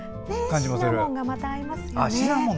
シナモンがまた合いますよね。